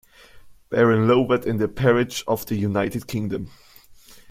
Baron Lovat" in der Peerage of the United Kingdom.